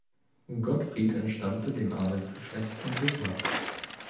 Gottfried entstammte dem Adelsgeschlecht von Bismarck.